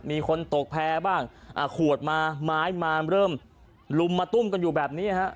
มีคนตกแพร่บ้างอ่าขวดมาไม้มาเริ่มลุมมาตุ้มกันอยู่แบบนี้ฮะ